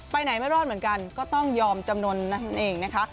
ไปไหนไม่รอดเหมือนกันก็ต้องยอมจำนวนนั่นเองนะคะ